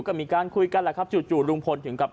ก็มีการคุยทำลังและก็จู่ลุงพลธ์ถึงกับ